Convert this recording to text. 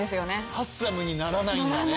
ハッサムにならないんだね。